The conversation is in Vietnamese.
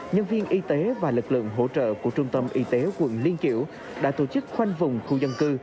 nhân viên y tế và lực lượng hỗ trợ của trung tâm y tế quận liên kiểu đã tổ chức khoanh vùng khu dân cư